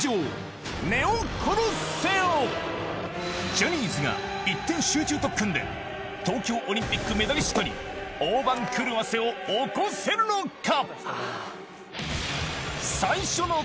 ジャニーズが一点集中特訓で東京オリンピックメダリストに大番狂わせを起こせるのか？